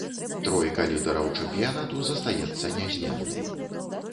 Тройка лідараў чэмпіянату застаецца нязменнай.